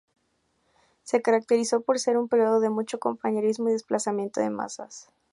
Se caracterizó por ser un periodo de mucho compañerismo y desplazamiento de masas.